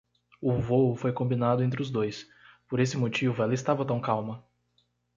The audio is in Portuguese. O vôo foi combinado entre os dois: por esse motivo ela estava tão calma.